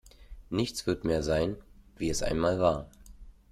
Nichts wird mehr sein, wie es einmal war.